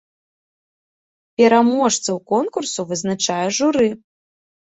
Пераможцаў конкурсу вызначае журы.